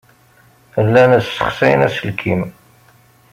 Llan ssexsayen aselkim.